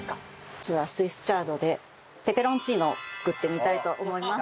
じゃあスイスチャードでペペロンチーノを作ってみたいと思います！